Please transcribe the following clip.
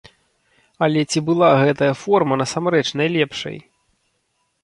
Але ці была гэтая форма насамрэч найлепшай?